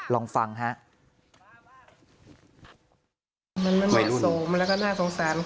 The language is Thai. ลองฟังฮะ